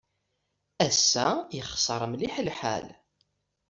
Ass-a yexṣer mliḥ lḥal.